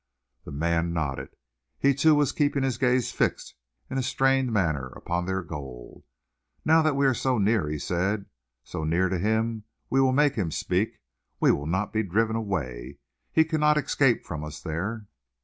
The man nodded. He too was keeping his gaze fixed in a strained manner upon their goal. "Now that we are so near," he said, "so near to him, we will make him speak. We will not be driven away. He cannot escape from us there."